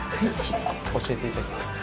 教えていただきたいです。